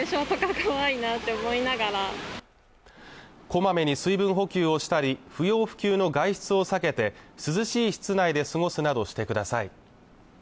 こまめに水分補給をしたり不要不急の外出を避けて涼しい室内で過ごすなどしてください